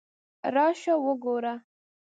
راشه وګوره!